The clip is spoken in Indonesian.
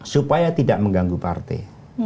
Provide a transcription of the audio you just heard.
supaya tidak mengganggu partai